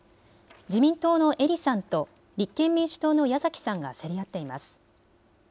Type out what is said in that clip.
自民党の英利さんと立憲民主党の矢崎さんが競り合っています。